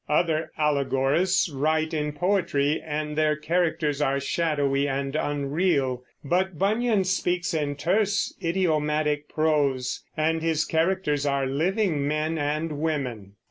Other allegorists write in poetry and their characters are shadowy and unreal; but Bunyan speaks in terse, idiomatic prose, and his characters are living men and women.